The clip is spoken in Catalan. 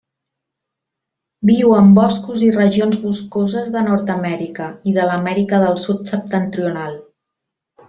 Viu en boscos i regions boscoses de Nord-amèrica i de l'Amèrica del Sud septentrional.